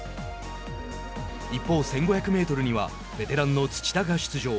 一方、１５００メートルにはベテランの土田が出場。